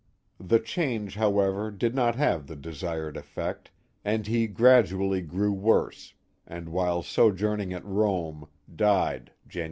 The change, however, did not have the desired effect, and he gradually grew worse, and while sojourning at Rome, died Jan.